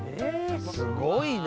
すごいな。